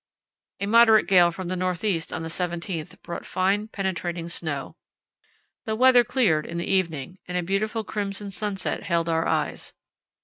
A moderate gale from the north east on the 17th brought fine, penetrating snow. The weather cleared in the evening, and a beautiful crimson sunset held our eyes.